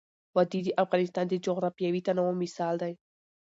وادي د افغانستان د جغرافیوي تنوع مثال دی.